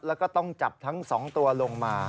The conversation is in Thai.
แล้วก็ต้องจับทั้ง๒ตัวลงมา